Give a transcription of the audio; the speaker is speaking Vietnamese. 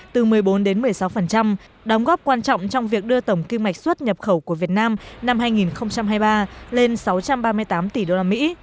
từ một mươi bốn đến một mươi sáu đóng góp quan trọng trong việc đưa tổng kim ngạch xuất nhập khẩu của việt nam năm hai nghìn hai mươi ba lên sáu trăm ba mươi tám tỷ đô la mỹ